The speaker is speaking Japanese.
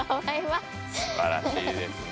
すばらしいですね。